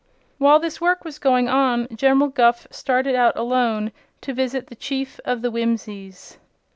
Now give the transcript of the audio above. While this work was going on General Guph started out alone to visit the Chief of the Whimsies.